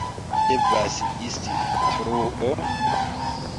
Devas esti truo!